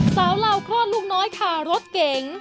สาวลาวครอดลูกน้อยค่ารถเก๋ง